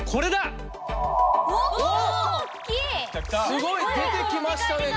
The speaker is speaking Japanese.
すごい。出てきましたね。